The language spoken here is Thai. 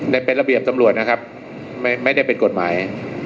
ในเป็นระเบียบตำรวจนะครับไม่ได้เป็นกฎหมาย